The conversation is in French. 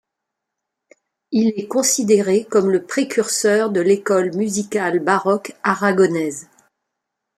Il est considéré comme le précurseur de l'école musicale baroque aragonaise.